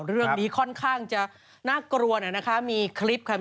เรื่องนี้ค่อนข้างจะน่ากลัวนะคะมีคลิปค่ะ